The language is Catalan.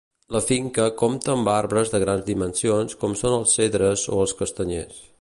La finca compta amb arbres de grans dimensions com són els cedres o els castanyers.